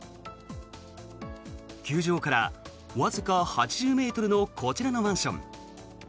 球場からわずか８０ｍのこちらのマンション。